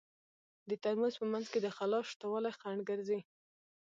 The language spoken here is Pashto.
د ترموز په منځ کې د خلاء شتوالی خنډ ګرځي.